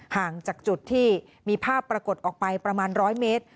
ห่างจากจุดที่มีภาพปรากฏออกไปประมาณ๑๐๐เมตร